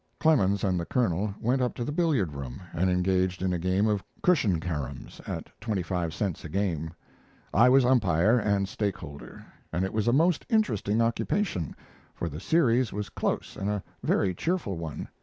Clemens and the Colonel went up to the billiard room and engaged in a game of cushion caroms, at twenty five cents a game. I was umpire and stakeholder, and it was a most interesting occupation, for the series was close and a very cheerful one.